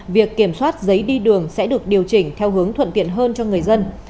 việc kiểm soát giấy đi đường sẽ được điều chỉnh theo hướng thuận tiện hơn cho người dân